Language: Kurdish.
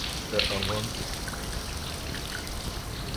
We avand.